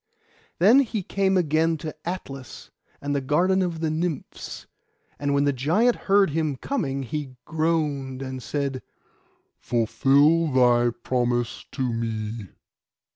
Then he came again to Atlas, and the garden of the Nymphs; and when the giant heard him coming he groaned, and said, 'Fulfil thy promise to me.